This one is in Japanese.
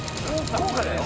高価だよ